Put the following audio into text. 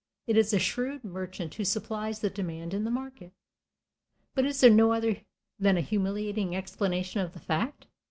It is a shrewd merchant who supplies the demand in the market. But is there no other than a humiliating explanation of the fact?